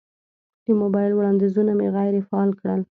د موبایل وړاندیزونه مې غیر فعال کړل.